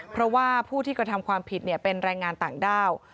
เพราะว่าผู้ที่กระทำความผิดเป็นแรงงานต่างด้าว